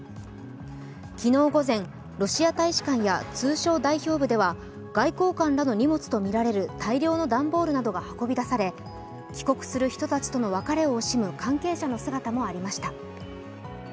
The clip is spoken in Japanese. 昨日午前、ロシア大使館や通商代表部では外交官らの荷物とみられる大量の段ボールなどが運び出され帰国する人たちとの別れを惜しむ関係者の姿もありました。